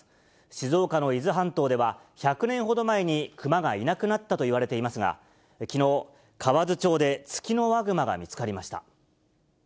静岡の伊豆半島では、１００年ほど前にクマがいなくなったといわれていますが、きのう、河津町でツキノワグマが見つかりました。